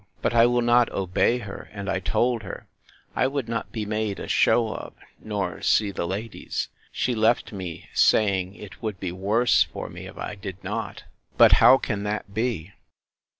But I will not obey her; and I told her, I would not be made a show of, nor see the ladies. She left me, saying, it would be worse for me, if I did not. But how can that be?